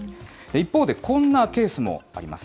一方で、こんなケースもあります。